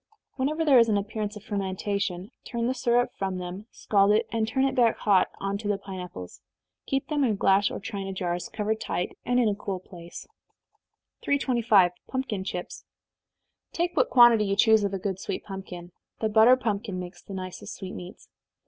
Whenever there is any appearance of fermentation, turn the syrup from them, scald it, and turn it back hot on to the pine apples. Keep them in glass or china jars, covered tight, and in a cool place. 325. Pumpkin Chips. Take what quantity you choose of a good sweet pumpkin, (the butter pumpkin makes the nicest sweetmeats.)